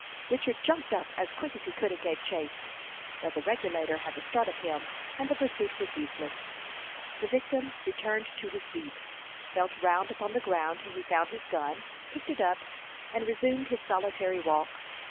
Richard jumped up as quick as he could and gave chase. But the Regulator had the start of him, and the pursuit was useless. The victim returned to his beat, felt round upon the ground till he found his gun, picked it up, and resumed his solitary walk.